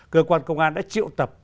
cơ quan công an đã triệu tập